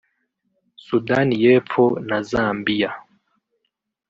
Sudani y’Epfo na Zambia